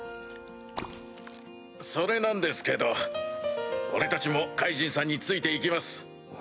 それなんですけど俺たちもカイジンさんについて行きます。